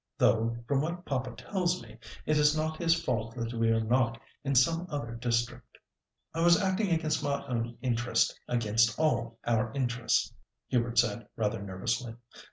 "Though, from what papa tells me, it is not his fault that we are not in some other district." "I was acting against my own interest—against all our interests," Hubert said, rather nervously.